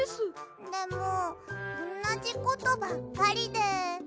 でもおんなじことばっかりで。